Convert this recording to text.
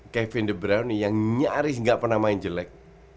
kevin de bruyne yang nyaris gak pernah main jelek